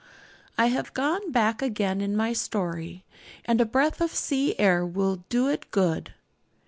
I have gone back again in my story, and a breath of sea air will do it good.